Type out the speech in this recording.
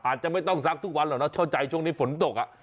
อาจจะไม่ต้องสักทุกวันเหรอนะเฉาะใจช่วงในฝนตก